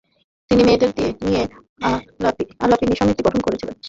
তিনি মেয়েদের নিয়ে আলাপিনী সমিতি গঠন করেছিলেন।